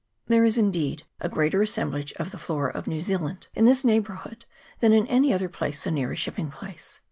There is, indeed, a greater assemblage of the flora of New Zealand in this neighbourhood than in any other place so near a shipping place.